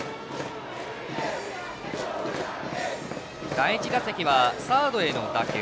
第１打席はサードへの打球。